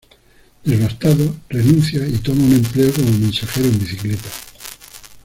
Devastado, renuncia y toma un empleo como mensajero en bicicleta.